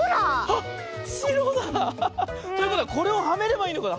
あっしろだ！ということはこれをはめればいいのかな？